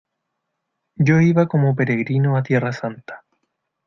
yo iba como peregrino a Tierra Santa.